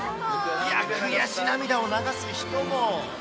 悔し涙を流す人も。